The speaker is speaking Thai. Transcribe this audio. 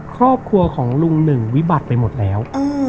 ครอบครัวของลุงหนึ่งวิบัติไปหมดแล้ว